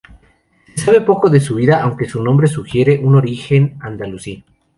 Se sabe poco de su vida, aunque su nombre sugiere un origen andalusí.